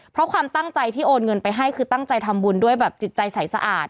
เพราะความตั้งใจที่โอนเงินไปให้คือตั้งใจทำบุญด้วยแบบจิตใจใสสะอาด